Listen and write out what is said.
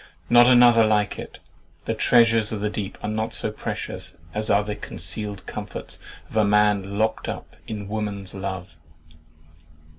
Not another like it. The treasures of the deep are not so precious As are the conceal'd comforts of a man Lock'd up in woman's love.